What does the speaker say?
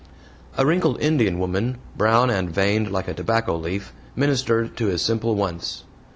A wrinkled Indian woman, brown and veined like a tobacco leaf, ministered to his simple wants.